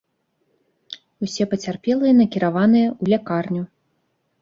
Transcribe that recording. Усе пацярпелыя накіраваныя ў лякарню.